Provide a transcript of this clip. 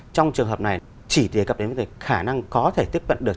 trong trường hợp này chỉ đề cập đến khả năng có thể tiếp cận được